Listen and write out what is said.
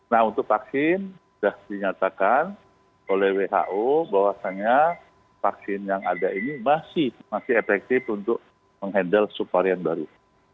nah untuk vaksin sudah dinyatakan oleh who bahwasannya vaksin yang ada ini masih efektif untuk menghandle subvarian baru